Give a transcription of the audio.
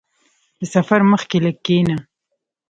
• د سفر مخکې لږ کښېنه.